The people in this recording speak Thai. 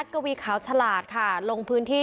ทีมข่าวเราก็พยายามสอบปากคำในแหบนะครับ